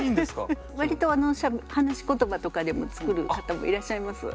割と話し言葉とかでも作る方もいらっしゃいます。